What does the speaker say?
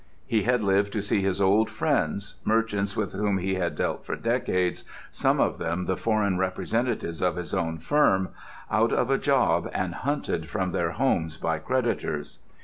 He had lived to see his old friends, merchants with whom he had dealt for decades, some of them the foreign representatives of his own firm, out of a job and hunted from their homes by creditors.